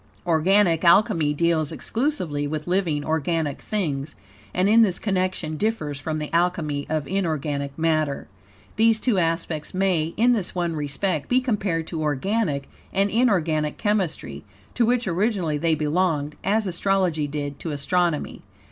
Organic Alchemy deals exclusively with living, organic things, and in this connection differs from the Alchemy of inorganic matter. These two aspects may, in this one respect, be compared to organic and inorganic chemistry, to which originally they belonged; as astrology did to astronomy.